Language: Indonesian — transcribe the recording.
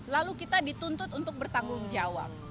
lalu kita dituntut untuk bertanggung jawab